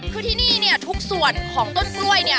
คือที่นี่เนี่ยทุกส่วนของต้นกล้วยเนี่ย